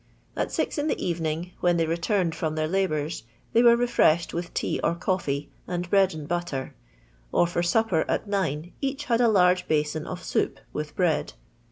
At six in the evening, when they returned from their labours, tlHQr were refreshed with tea or coffee, and bread and butter; or for supper, at nine, each had a large basin of soup, with bread.